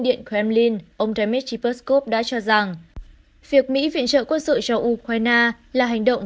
điện kremlin ông dmitry peskov đã cho rằng việc mỹ viện trợ quân sự cho ukraine là hành động